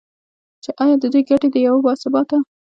چې ایا د دوی ګټې د یو با ثباته